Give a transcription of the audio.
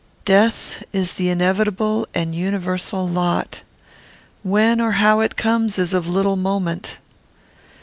"Death is the inevitable and universal lot. When or how it comes, is of little moment.